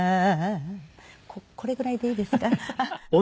これぐらいでいいですか？